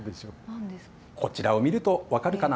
こちらを見ると分かるかな。